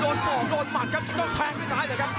โหลดสองลดหมัดก็แทงด้วยด้วยซ้ายเลยครับ